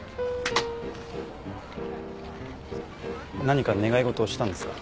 何か願い事をしたんですか？